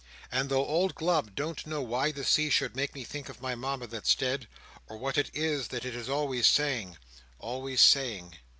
And though old Glubb don't know why the sea should make me think of my Mama that's dead, or what it is that it is always saying—always saying!